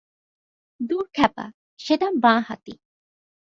দূর খেপা, সেটা বাঁ-হাতি।